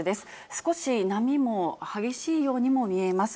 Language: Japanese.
少し波も激しいようにも見えます。